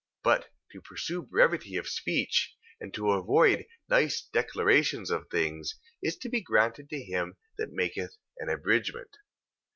But to pursue brevity of speech, and to avoid nice declarations of things, is to be granted to him that maketh an abridgment.